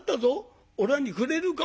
おらにくれるか？」。